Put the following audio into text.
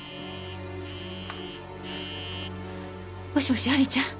もしもし亜美ちゃん？